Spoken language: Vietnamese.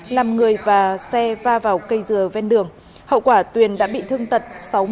làm người và xe va vào cây dừa ven đường hậu quả tuyền đã bị thương tật sáu mươi